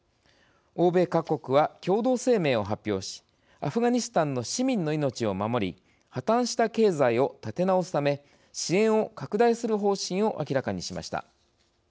欧米各国は、共同声明を発表しアフガニスタンの市民の命を守り破綻した経済を立て直すため支援を拡大する方針を明らかにしました。